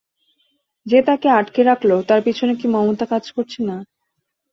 যে তাঁকে আটকে রাখল, তার পেছনে কি মমতা কাজ করছে না?